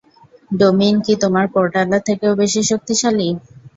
Domain কী তোমার পোর্টালের থেকেও বেশি শক্তিশালী?